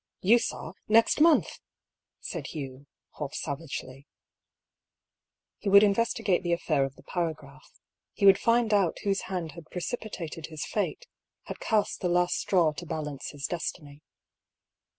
" You saw—next month," said Hugh, half savagely. 250 I>R PAULL'S THEORY. He would investigate the affair of the paragraph. He would find out whose hand had precipitated his fate, had cast the last straw to balance his destiny.